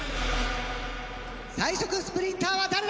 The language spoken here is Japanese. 最速スプリンターは誰だ！？